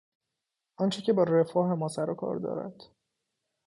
آنچه که با رفاه ما سروکار دارد